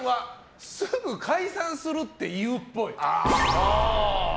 すぐ解散するって言うっぽい。